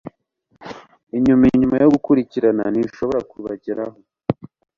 Inyuma inyuma yo gukurikirana ntishobora kubageraho